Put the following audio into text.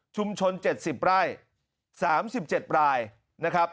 ชุมชน๗๐ไร่๓๗รายนะครับ